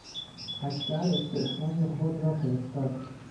اکبر استعفای خود را فرستاد.